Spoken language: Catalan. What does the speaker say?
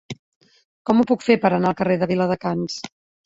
Com ho puc fer per anar al carrer de Viladecans?